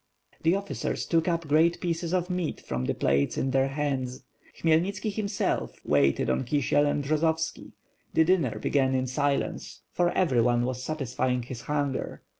The officers took up great pieces of meat from the plates in their hands. Khmyelnitski himself waited on Kisiel and Bjozovski: The dinner began in silence, for everyone was satisfying his hunger.